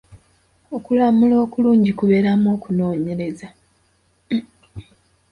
Okulamula okulungi kubeeramu okunoonyereza.